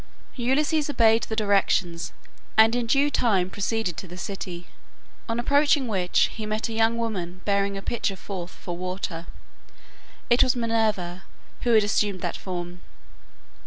Ulysses obeyed the directions and in due time proceeded to the city, on approaching which he met a young woman bearing a pitcher forth for water. It was Minerva, who had assumed that form.